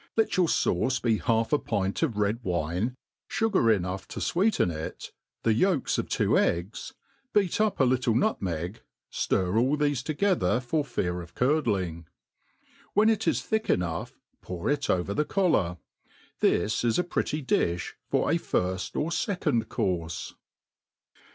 Let your (auce be half a pint of red wine, fugar enough to fweeten it, the yolks of two eggs, beat up a little nutmeg, ftir all thefe together for fear of curdling ; when it is thick enough, pour it over the collar. This is a pretty diih for a firft or fecoad courfe.